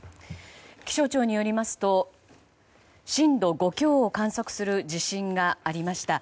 気象庁によりますと震度５強を観測する地震がありました。